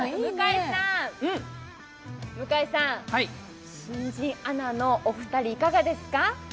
向井さん、新人アナのお二人いかがですか？